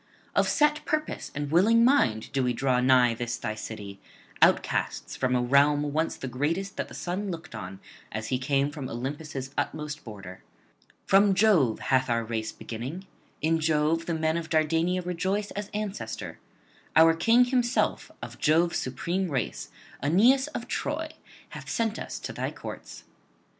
Of set purpose and willing mind do we draw nigh this thy city, outcasts from a realm once the greatest that the sun looked on as he came from Olympus' utmost border. From Jove hath our race beginning; in Jove the men of Dardania rejoice as ancestor; our King himself of Jove's supreme race, Aeneas of Troy, hath sent us to thy courts.